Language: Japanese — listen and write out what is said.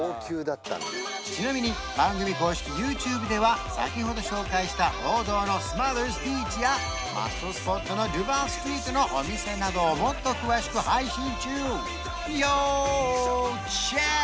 ちなみに番組公式ＹｏｕＴｕｂｅでは先ほど紹介した王道のスマザーズビーチやマストスポットのデュバルストリートのお店などをもっと詳しく配信中要チェック！